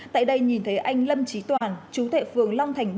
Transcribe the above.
tại đây nhìn thấy anh lâm trí toàn chú tệ phường long thành